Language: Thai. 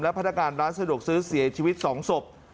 พนักงานร้านสะดวกซื้อเสียชีวิต๒ศพ